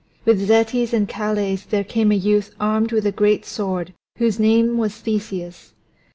With Zetes and Calais there came a youth armed with a great sword whose name was Theseus.